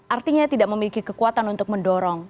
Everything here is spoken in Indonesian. artinya tidak memiliki kekuatan untuk mendorong